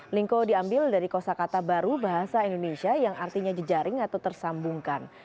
lingko diambil dari kosa kata baru bahasa indonesia yang artinya jejaring atau tersambungkan